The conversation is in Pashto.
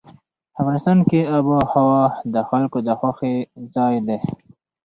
افغانستان کې آب وهوا د خلکو د خوښې ځای دی.